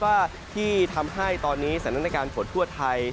ว่าที่ทำให้ตอนนี้สถานการณ์ฝนทั่วไทย